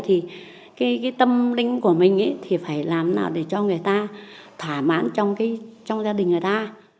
thì cái tâm linh của mình thì phải làm nào để cho người ta thả mãn trong gia đình người ta